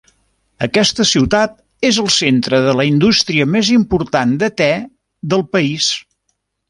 Aquesta ciutat és el centre de la indústria més important de te del país.